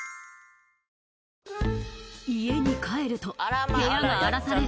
家に帰ると部屋が荒らされ